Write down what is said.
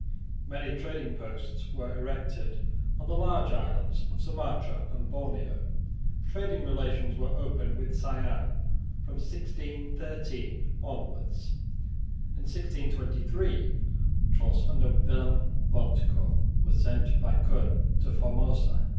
Many trading posts were erected on the large islands of Sumatra and Borneo. Trading relations were opened with Siam from 1613 onwards. In 1623 a force under Willem Bontekoe was sent by Koen to Formosa.